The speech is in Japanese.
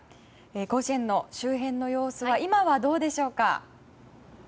甲子園の周辺の様子は今はどうでしょうか。